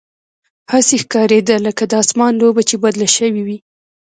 هسې ښکارېده لکه د اسمان لوبه چې بدله شوې وي.